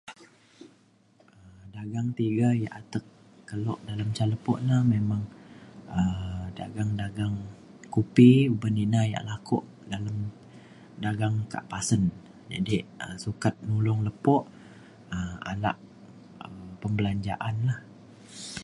Dagang tiga yak atek kelo dalem ca lepo na memang um dagang dagang kupi ban ina yak laku dalem dagang kak pasen jadi um sukat nulong lepo um ala um perbelanjaan lah.